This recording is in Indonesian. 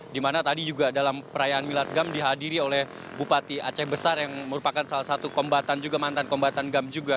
dimana tadi juga dalam perayaan milad gam dihadiri oleh bupati aceh besar yang merupakan salah satu kombatan juga mantan kombatan gam juga